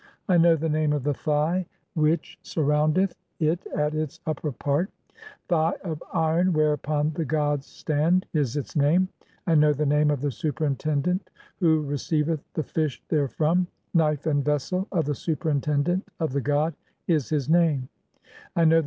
I know the name of the Thigh which THE CHAPTER OF COMING FORTH FROM THE NET. 279 "surroundeth it at its upper part ; 'Thigh of iron whereupon "the gods stand' [is its name]. I know (14) the name of the "superintendent who receiveth the fish therefrom ; 'Knife and "vessel of the superintendent of the god' [is his name]. I know "the.